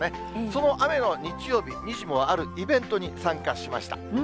その雨の日曜日、にじモはあるイベントに参加しました。